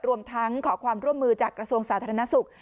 รวมทั้งขอความร่วมมือจากกระทรวงสาธารณสุข